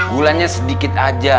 gulanya sedikit aja